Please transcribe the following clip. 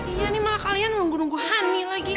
iya nih malah kalian nunggu nunggu honey lagi